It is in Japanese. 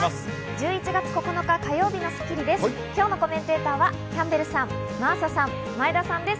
１１月９日、火曜日の『スッキリ』です。